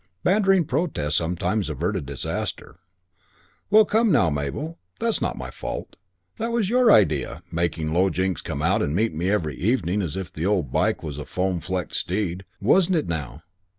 Bantering protest sometimes averted the disaster. "Well, come now, Mabel, that's not my fault. That was your idea, making Low Jinks come out and meet me every evening as if the old bike was a foam flecked steed. Wasn't it now?"